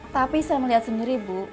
tapi saya melihat sendiri bu